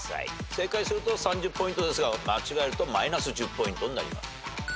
正解すると３０ポイントですが間違えるとマイナス１０ポイントになります。